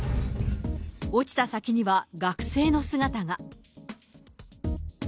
落ちた先には学生の姿が。